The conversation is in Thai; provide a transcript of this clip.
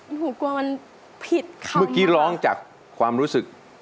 หนูกลัวมันผิดค่ะเมื่อกี้ร้องจากความรู้สึก